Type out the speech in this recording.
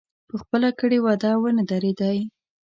پر خپله کړې وعده ونه درېدی.